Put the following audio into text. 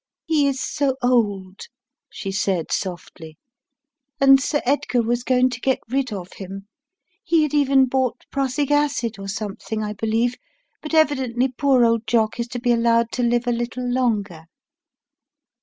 "He is so old," she said, softly, "and Sir Edgar was going to get rid of him. He had even bought prussic acid or something, I believe, but evidently poor old Jock is to be allowed to live a little longer."